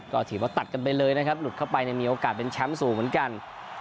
ก็ถือว่าตัดกันไปเลยนะครับหลุดเข้าไปมีโอกาสเป็นแชมป์สูงเหมือนกัน